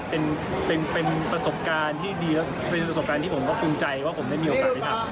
และเป็นประสบการณ์ที่ผมก็ภูมิใจว่าผมได้มีโอกาสไปทำ